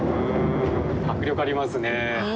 迫力ありますね。